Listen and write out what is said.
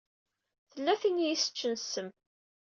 Tella tin i yi-iseččen ssem.